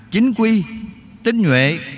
chính quy tinh nguệ